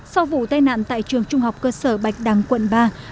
sau vụ tai nạn tại trường trung học cơ sở bạch đằng quận ba